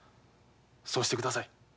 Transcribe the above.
そうしてください。